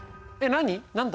何だ？